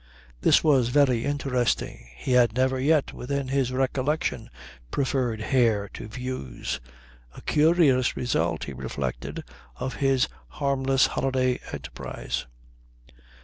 This was very interesting. He had never yet within his recollection preferred hair to views. A curious result, he reflected, of his harmless holiday enterprise.